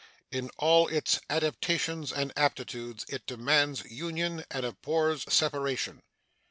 In all its adaptations and aptitudes it demands union and abhors separation.